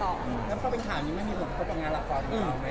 น่ะก็เป็นถามอยู่นั่งมีผลผลกับงานหลักฐ้อนหรือเปล่าพวกไหน